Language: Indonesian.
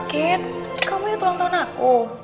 kate kamu ingat ulang tahun aku